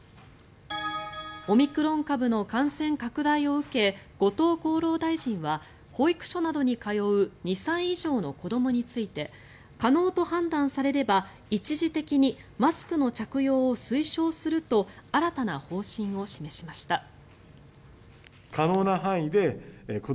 オミクロン株の感染拡大を受け後藤厚労大臣は保育所などに通う２歳以上の子どもについて可能と判断されれば、一時的にマスクの着用を推奨すると新たな方針を示しました。